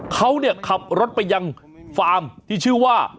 เขาเนี่ยขับรถไปยังฟาร์มที่ชื่อว่า